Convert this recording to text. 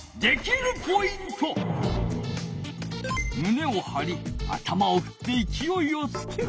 むねをはり頭をふっていきおいをつける。